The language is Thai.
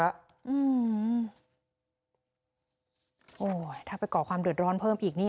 โอ้โหถ้าไปก่อความเดือดร้อนเพิ่มอีกนี่